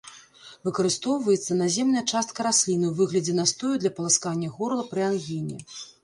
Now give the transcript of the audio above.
Выкарыстоўваецца наземная частка расліны ў выглядзе настою для паласкання горла пры ангіне.